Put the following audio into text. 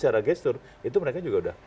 secara gestur itu mereka juga udah